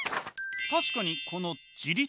確かにこの「自律」